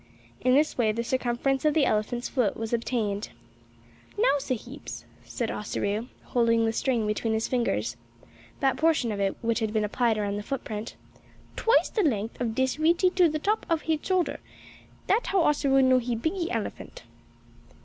In this way the circumference of the elephant's foot was obtained. "Now, sahibs," said Ossaroo, holding the string between his fingers that portion of it which had been applied around the footprint "twice the length of dis reachee to the top of he shoulder; that how Ossaroo know he biggee elephant."